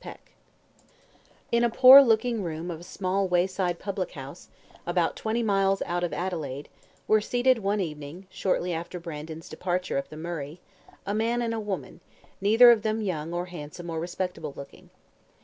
Peck In a poor looking room of a small wayside public house, about twenty miles out of Adelaide, were seated one evening, shortly after Brandon's departure up the Murray, a man and a woman, neither of them young or handsome or respectable looking.